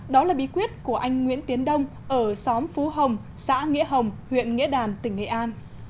đó là bí quyết của anh nguyễn tiến đông ở xóm phú hồng xã nghĩa hồng huyện nghĩa đàn tỉnh nghệ an